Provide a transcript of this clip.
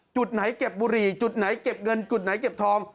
จุดไหนเก็บบุหรี่จุดไหนเก็บเงินจุดไหนเก็บทอง